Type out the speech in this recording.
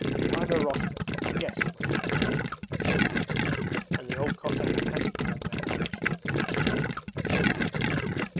I'm Eroshka; yes, my dear fellow.' And the old Cossack patted the young man affectionately on the shoulder.